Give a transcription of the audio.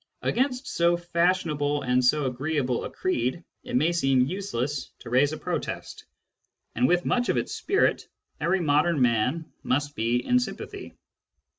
Against so fashionable and so agreeable a creed it may seem useless to raise a protest ; and with much of its spirit every modern man must be in sympathy.